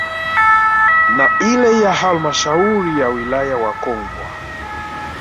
Na ile ya halmasahauri ya wilaya ya Kongwa